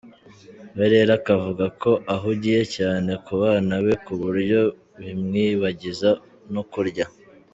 we rero akavuga ko ahugiye cyane ku bana be ku buryo bimwibagiza no kurya.